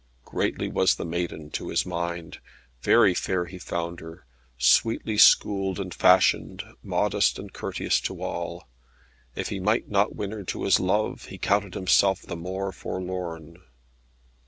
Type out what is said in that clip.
Greatly was the maiden to his mind. Very fair he found her, sweetly schooled and fashioned, modest and courteous to all. If he might not win her to his love, he counted himself the more forlorn.